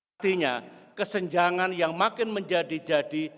artinya kesenjangan yang makin menjadi jadi